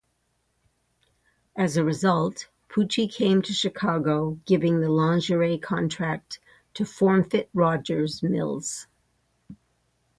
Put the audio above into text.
As a result, Pucci came to Chicago giving the lingerie contract to Formfit-Rogers mills.